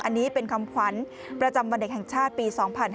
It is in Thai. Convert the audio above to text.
อันนี้เป็นคำขวัญประจำวันเด็กแห่งชาติปี๒๕๕๙